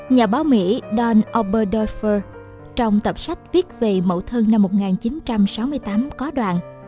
nhà báo mỹ don oberdorfer trong tập sách viết về mẫu thân năm một nghìn chín trăm sáu mươi tám có đoạn